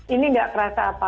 ini tidak terasa apa apa